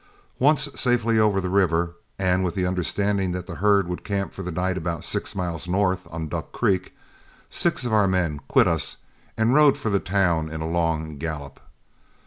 Once safely over the river, and with the understanding that the herd would camp for the night about six miles north on Duck Creek, six of our men quit us and rode for the town in a long gallop.